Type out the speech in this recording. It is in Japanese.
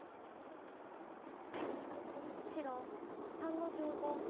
白３の十五。